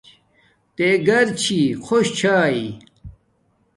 تے گھر چھی خوش چھاݵ